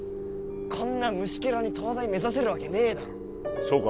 こんな虫けらに東大目指せるわけねえだろそうか？